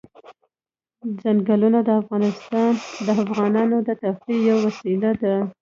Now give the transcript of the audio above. ځنګلونه د افغانانو د تفریح یوه وسیله ده.